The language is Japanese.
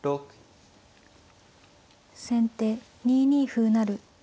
先手２二歩成。